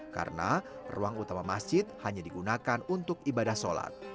karena ruang utama masjid hanya digunakan untuk ibadah sholat